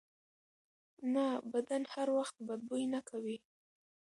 نه، بدن هر وخت بد بوی نه کوي.